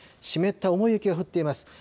湿った重い雪が降っています。